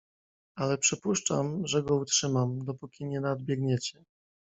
"Ale przypuszczam, że go utrzymam, dopóki nie nadbiegniecie."